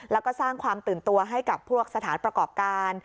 แล้วก็สร้างความตื่นตัวให้กับพวกสถานประกอบการ